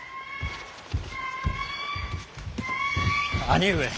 兄上。